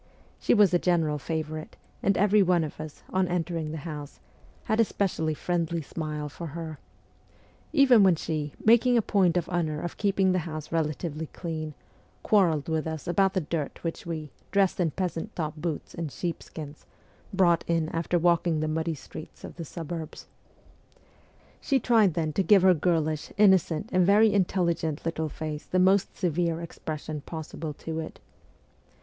She was a general favourite, and every one of us, on entering the house, had a specially ST. PETERSBURG 109 friendly smile for her even when she, making a point of honour of keeping the house relatively clean, quar relled with us about the dirt which we, dressed in peasant top boots and sheepskins, brought in after walking the muddy streets of the suburbs. She tried then to give to her girlish, innocent, and very intelligent little face the most severe expression possible to it.